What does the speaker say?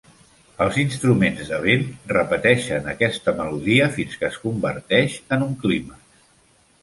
Els instruments de vent repeteixen aquesta melodia fins que es converteix en un clímax.